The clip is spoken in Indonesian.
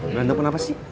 berantem apa sih